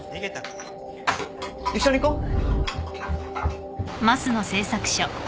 一緒に行こう。